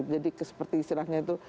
jadi seperti istilahnya itu